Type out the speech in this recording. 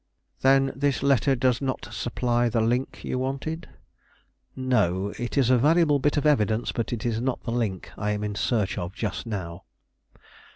"Then this letter does not supply the link you wanted?" "No: it is a valuable bit of evidence; but it is not the link I am in search of just now."